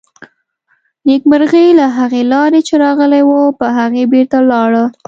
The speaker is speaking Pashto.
نېکمرغي له هغې لارې چې راغلې وه، په هغې بېرته لاړه.